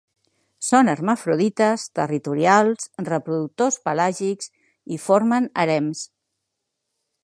Són hermafrodites, territorials, reproductors pelàgics i formen harems.